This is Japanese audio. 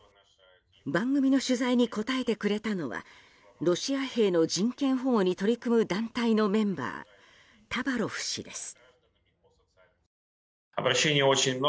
番組の取材に答えてくれたのはロシア兵の人権保護に取り組む団体のメンバータバロフ氏です。